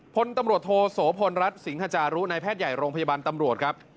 พลตำรวจโทโสพลรัฐสิงหาจารุในแพทย์ใหญ่โรงพยาบาลตำรวจครับ